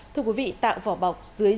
thưa quý vị tạo vỏ bọc